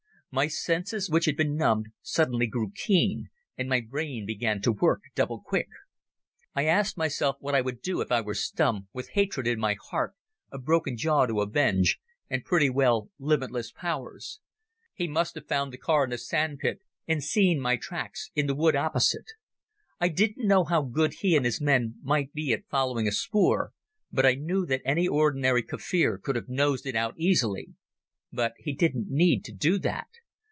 My senses, which had been numbed, suddenly grew keen, and my brain began to work double quick. I asked myself what I would do if I were Stumm, with hatred in my heart, a broken jaw to avenge, and pretty well limitless powers. He must have found the car in the sandpit and seen my tracks in the wood opposite. I didn't know how good he and his men might be at following a spoor, but I knew that any ordinary Kaffir could have nosed it out easily. But he didn't need to do that.